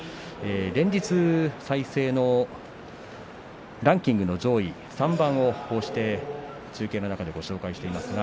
連日、再生のランキングの上位３番をご紹介しています。